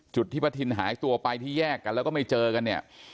ที่ป้าทินหายตัวไปที่แยกกันแล้วก็ไม่เจอกันเนี่ย